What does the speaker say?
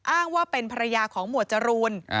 อ้างว่าเป็นภรรยาของหมวดจรูน